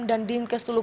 dan din kestulung agung